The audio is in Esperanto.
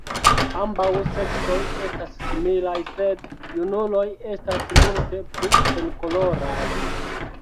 Ambaŭ seksoj estas similaj, sed junuloj estas multe pli senkoloraj.